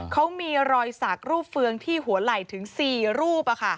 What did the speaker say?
เขามีรอยสักรูปเฟืองที่หัวไหล่ถึง๔รูป